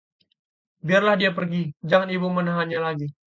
biarkan dia pergi, jangan Ibu menahannya lagi